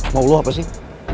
mau lu apa sih